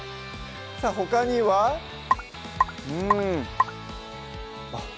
さぁほかにはうんあっ